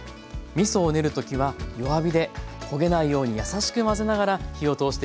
みそを練る時は弱火で焦げないように優しく混ぜながら火を通していきます。